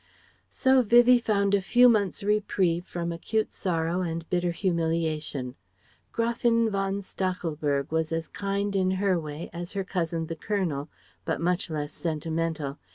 So Vivie found a few months' reprieve from acute sorrow and bitter humiliation. Gräfin von Stachelberg was as kind in her way as her cousin the Colonel, but much less sentimental.